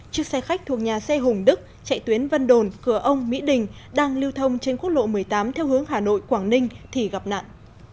chiếc xe khách thuộc nhà xe hùng đức chạy tuyến vân đồn cửa ông mỹ đình đang lưu thông trên quốc lộ một mươi tám theo hướng hà nội quảng ninh thì gặp nạn